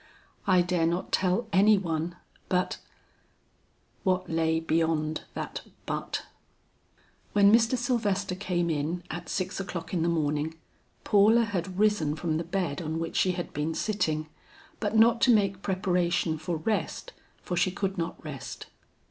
"I dare not tell any one, but " What lay beyond that but? When Mr. Sylvester came in at six o'clock in the morning, Paula had risen from the bed on which she had been sitting, but not to make preparation for rest, for she could not rest.